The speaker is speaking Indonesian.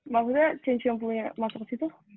maksudnya change yang punya masuk ke situ